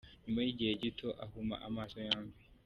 Nyuma y’igihe gito ahuma amaso yombi.